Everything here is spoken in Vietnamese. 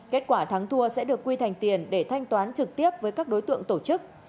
kết quả thắng thua sẽ được quy thành tiền để thanh toán trực tiếp với các đối tượng tổ chức